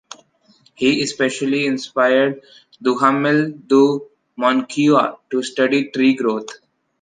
He especially inspired Duhamel du Monceau to study tree growth.